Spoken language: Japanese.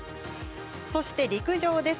そして陸上です。